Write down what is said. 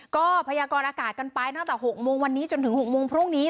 ก็พยากรอากาศกันไปตั้งแต่๖โมงวันนี้จนถึง๖โมงพรุ่งนี้